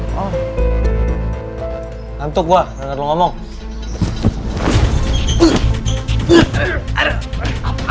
jadi gak ada masalah